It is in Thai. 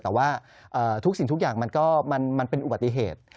แต่ว่าทุกสิ่งทุกอย่างมันก็มันเป็นอุบัติเหตุ